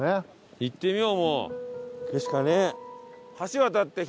行ってみよう。